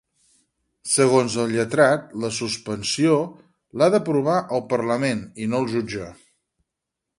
Segons el lletrat, la suspensió, la d’aprovar el parlament i no el jutge.